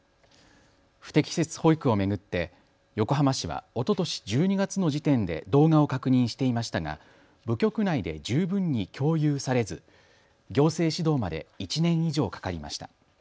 不適切保育を巡って横浜市はおととし１２月の時点で動画を確認していましたが部局内で十分に共有されず行政指導まで１年以上かかりました。